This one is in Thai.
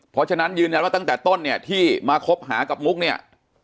เพราะฉะนั้นยืนยันว่าตั้งแต่ต้นเนี่ยที่มาคบหากับมุกเนี่ย